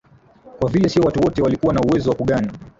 Kwa vile sio watu wote walikuwa na uwezo wa kughani